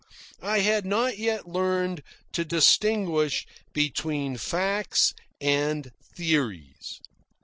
I had not yet learned to distinguish between facts and theories.